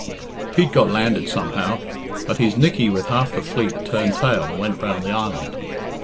Pete got landed somehow, but his Nickey with half the fleet turned tail and went round the island.